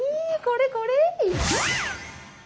これこれ！